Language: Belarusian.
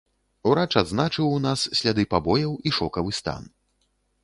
Урач адзначыў ў нас сляды пабояў і шокавы стан.